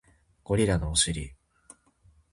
ゴリラのお尻